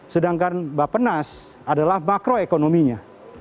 sedangkan bapenas adalah makroekonominya